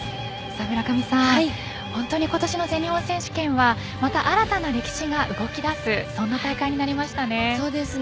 村上さん、本当に今年の全日本選手権はまた新たな歴史が動き出すそんな大会になりましたね。